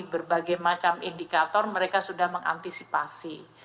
berbagai macam indikator mereka sudah mengantisipasi